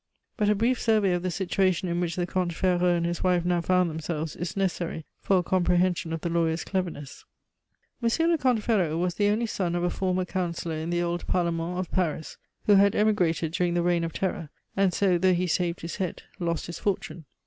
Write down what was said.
But a brief survey of the situation in which the Comte Ferraud and his wife now found themselves is necessary for a comprehension of the lawyer's cleverness. Monsieur le Comte Ferraud was the only son of a former Councillor in the old Parlement of Paris, who had emigrated during the Reign of Terror, and so, though he saved his head, lost his fortune.